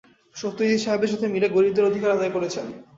সত্যজিৎ সাহেবের সাথে মিলে, গরীবদের অধিকার আদায় করেছেন।